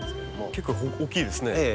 結構大きいですね。